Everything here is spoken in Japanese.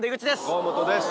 河本です。